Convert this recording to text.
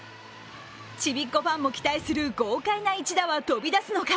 ちびっこファンも期待する豪快な一打は飛び出すのか。